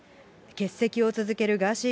欠席を続けるガーシー